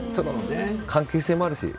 関係性もあるし。